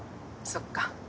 そっか。